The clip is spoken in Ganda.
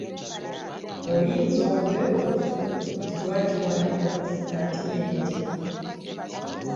Oyinza okwebuuza nti lwaki wandikoze sitaatimenti?